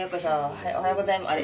はいおはようござあれ？